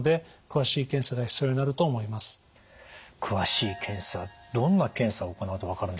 詳しい検査どんな検査を行うと分かるんでしょうか？